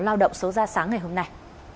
lao động số ra sáng ngày hôm nay